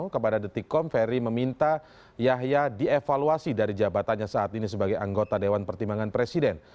kepada detikkom ferry meminta yahya dievaluasi dari jabatannya saat ini sebagai anggota dewan pertimbangan presiden